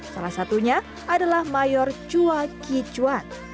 salah satunya adalah mayor chua kichuan